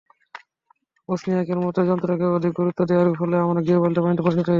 ওজনিয়াকের মতে, যন্ত্রকে অধিক গুরুত্ব দেওয়ার ফলে আমরা গৃহপালিত প্রাণীতে পরিণত হয়েছি।